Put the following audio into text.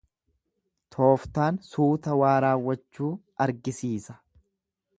Tooftaan suuta waa raawwachuu argisiisa.